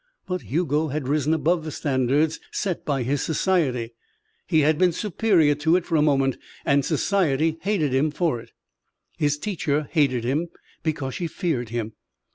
But Hugo had risen above the standards set by his society. He had been superior to it for a moment, and society hated him for it. His teacher hated him because she feared him.